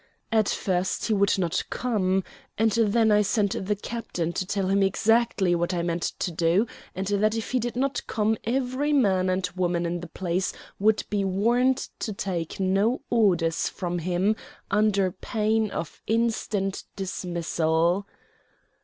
At first he would not come, and then I sent the captain to tell him exactly what I meant to do, and that if he did not come every man and woman in the place would be warned to take no orders from him under pain of instant dismissal.